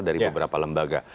dari beberapa lembaga